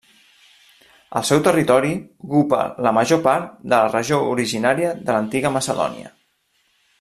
El seu territori ocupa la major part de la regió originària de l'antiga Macedònia.